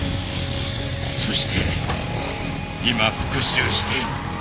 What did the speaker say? そして今復讐している。